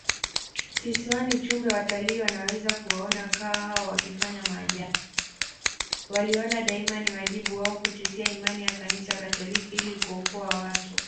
Waliona daima ni wajibu wao kutetea imani ya kanisa katoliki ili kuokoa watu